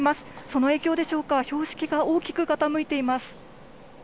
その影響でしょうか、標識が大きく傾いています。